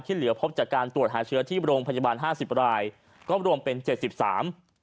เหลือพบจากการตรวจหาเชื้อที่โรงพยาบาลห้าสิบรายก็รวมเป็นเจ็ดสิบสาม